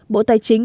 bộ tài chính